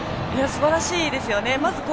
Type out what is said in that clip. すばらしいですよね。